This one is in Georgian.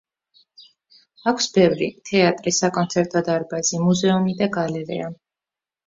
აქვს ბევრი: თეატრი, საკონცერტო დარბაზი, მუზეუმი და გალერეა.